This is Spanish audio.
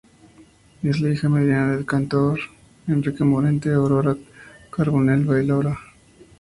Es la hija mediana del cantaor Enrique Morente y Aurora Carbonell, bailaora.